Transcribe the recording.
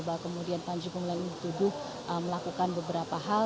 bahwa kemudian panji gumilang ini dituduh melakukan beberapa hal